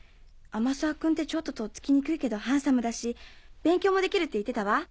天沢君ってちょっととっつきにくいけどハンサムだし勉強もできるって言ってたわ。